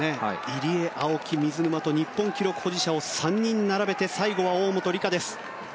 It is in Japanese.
入江、青木、水沼と日本記録保持者を３人並べてきて最後は大本里佳です。